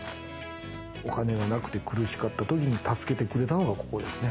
お金がなくて苦しかったときに助けてくれたのがここですね。